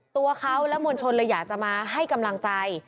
ตัวเขาและมวลชนเลยอยากจะมาให้กำลังใจ